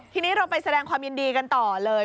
ทีนี้เราไปแสดงความยินดีกันต่อเลย